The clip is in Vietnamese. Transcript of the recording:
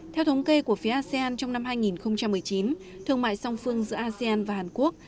theo thống kê của phía asean trong năm hai nghìn một mươi chín thương mại song phương giữa asean và hàn quốc